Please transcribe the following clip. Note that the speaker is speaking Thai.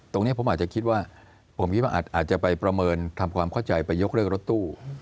ตรงนี้ผมอาจจะคิดว่าผมคิดว่าอาจจะไปประเมินทำความเข้าใจไปยกเลิกรถตู้